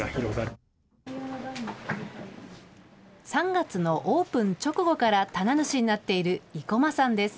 ３月のオープン直後から棚主になっている生駒さんです。